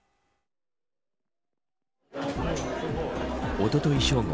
おととい正午